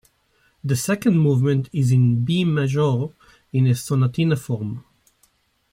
The second movement is in B major in a sonatina form.